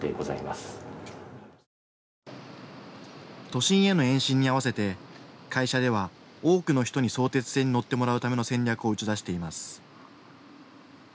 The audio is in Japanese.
都心への延伸に合わせて会社では、多くの人に相鉄線に乗ってもらうための戦略を打ち出しています。